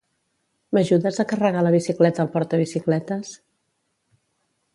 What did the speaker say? M'ajudes a carregar la bicicleta al portabicicletes?